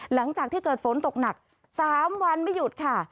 หลังจากที่เกิดฝนตกหนัก๓วันไม่หยุดค่ะ